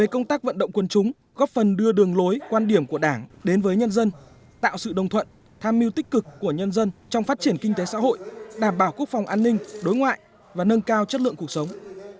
công tác vận động quân chúng góp phần đưa đường lối quan điểm của đảng đến với nhân dân tạo sự đồng thuận tham mưu tích cực của nhân dân trong phát triển kinh tế xã hội đảm bảo quốc phòng an ninh đối ngoại và nâng cao chất lượng cuộc sống